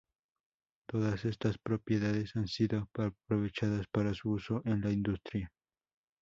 Todas estas propiedades han sido aprovechadas para su uso en la industria.